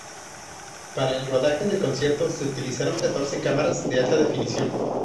Para el rodaje del concierto se utilizaron catorce cámaras de alta definición.